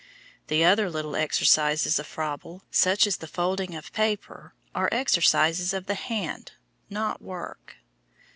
The other little exercises of Froebel, such as the foldingof paper, are exercises of the hand, not work.